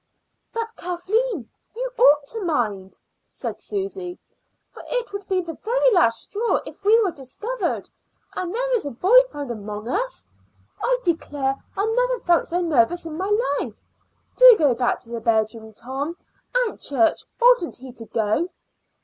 "But Kathleen, you ought to mind," said Susy; "for it would be the very last straw if we were discovered and there is a boy found amongst us. I declare I never felt so nervous in my life. Do go back to the bedroom, Tom. Aunt Church, oughtn't he to go?"